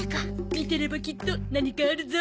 見てればきっと何かあるゾ。